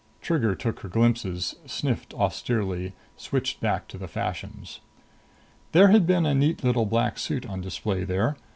Trigger took her glimpses, sniffed austerely, switched back to the fashions. There had been a neat little black suit on display there.